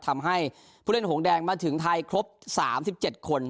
ทำให้ผู้เล่นหงแดงมาถึงไทยครบ๓๗คน